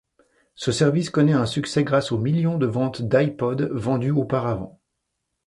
Ce service connaît un succès grâce aux millions de ventes d’iPod vendus auparavant.